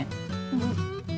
うん。